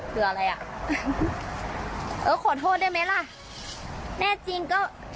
คืออะไรอ่ะเออขอโทษได้ไหมล่ะแน่จริงก็